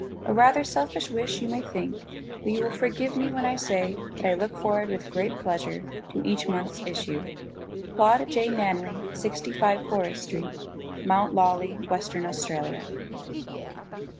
A rather selfish wish, you may think, but you will forgive me when I say that I look forward with great pleasure to each month's issue. Claude J. Nanley, 65 Forrest St., Mt. Lawley, Western Australia.